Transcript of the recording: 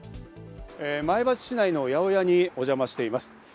前橋市内の八百屋に来ています。